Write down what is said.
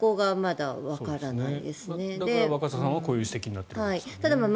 だから、若狭さんはこういう指摘になっているんですね。